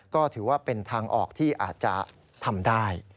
ก็ถือว่าเป็นทางออกที่อาจจะทำได้